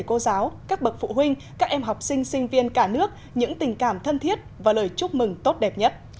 các cô giáo các bậc phụ huynh các em học sinh sinh viên cả nước những tình cảm thân thiết và lời chúc mừng tốt đẹp nhất